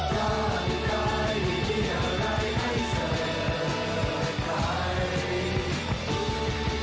ถ้าไม่ได้มีอะไรให้แสดงใคร